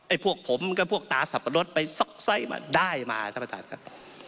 พวกผมก็พวกตาสับปะรดไปซอกไส้มาได้มาท่านประธานครับ